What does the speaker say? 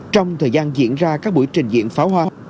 trong thời gian diễn ra các buổi trình diễn pháo hoa